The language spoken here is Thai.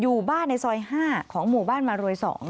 อยู่บ้านในซอย๕ของหมู่บ้านมารวย๒